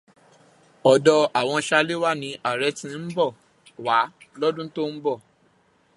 Ọ̀dọ̀ àwọn Ṣaléwá ni ààrẹ ti ń bọ̀ wá lọ́dún tó ń bọ̀.